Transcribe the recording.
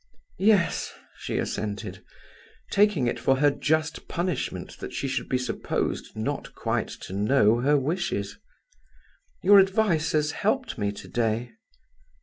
"Yes," she assented, taking it for her just punishment that she should be supposed not quite to know her wishes. "Your advice has helped me to day."